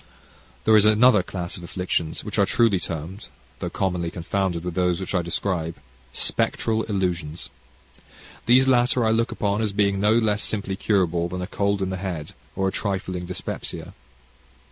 There is another class of affections which are truly termed though commonly confounded with those which I describe spectral illusions. These latter I look upon as being no less simply curable than a cold in the head or a trifling dyspepsia.